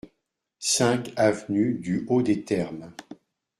cinq avenue du Haut des Termes